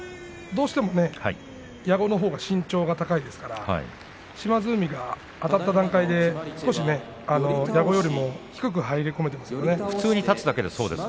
どうしても矢後のほうが身長が高いですから島津海があたった段階で、少し矢後よりも低く入り込めていますね。